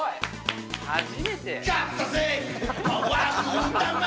初めて。